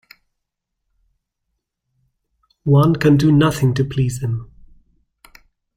One can do nothing to please them.